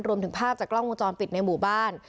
ภาพจากกล้องวงจรปิดในหมู่บ้าน